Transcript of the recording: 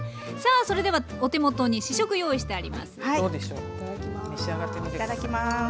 さあそれではお手元に試食用意してあります。